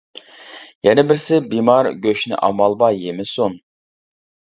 يەنە بىرسى بىمار گۆشنى ئامال بار يېمىسۇن.